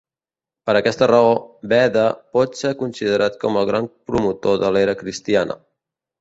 Per aquesta raó, Beda pot ser considerat com el gran promotor de l'era cristiana.